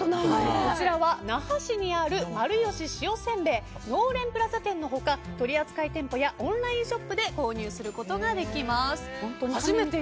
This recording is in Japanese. こちらは那覇市にある丸吉塩せんべいのうれんプラザ店の他取扱店舗やオンラインショップで購入することができます。